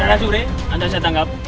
anda sudah tangkap